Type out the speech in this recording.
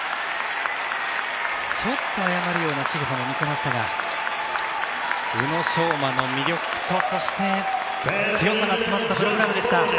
ちょっと謝るようなしぐさも見せましたが宇野昌磨の魅力と強さが詰まったプログラムでした。